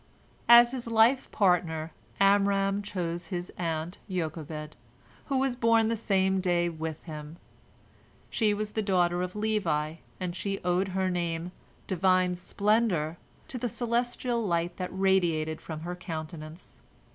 As his life partner, Amram chose his aunt Jochebed, who was born the same day with him. She was the daughter of Levi, and she owed her name, "Divine Splendor," to the celestial light that radiated from her countenance.